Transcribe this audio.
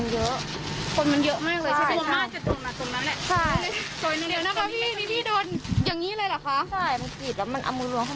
ใช่